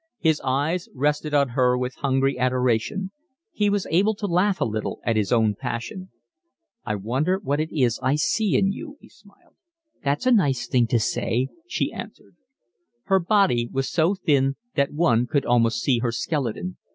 His eyes rested on her with hungry adoration. He was able to laugh a little at his own passion. "I wonder what it is I see in you," he smiled. "That's a nice thing to say," she answered. Her body was so thin that one could almost see her skeleton.